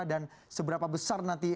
dan seberapa besar nanti